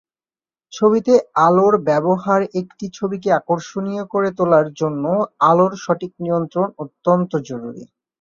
ছবিতে আলোর ব্যবহারএকটি ছবিকে আকর্ষণীয় করে তোলার জন্য আলোর সঠিক নিয়ন্ত্রণ অত্যন্ত জরুরি।